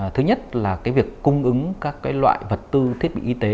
thứ nhất là việc cung ứng các loại vật tư thiết bị y tế